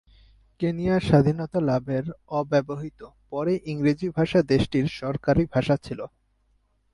Kenya স্বাধীনতা লাভের অব্যবহিত পরে ইংরেজি ভাষা দেশটির সরকারি ভাষা ছিল।